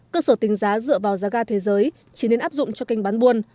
cơ sở tính giá dựa vào giá ga thế giới chỉ nên áp dụng cho kênh bán buôn